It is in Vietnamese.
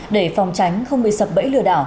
để phòng tránh không bị sập bẫy lừa đảo